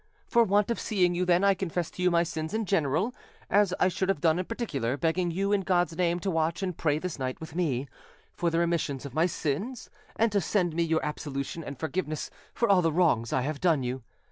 For want of seeing you, then, I confess to you my sins in general, as I should have done in particular, begging you, in God's name, to watch and pray this night with me, for the remission of my sins, and to send me your absolution and forgiveness for all the wrongs I have done you.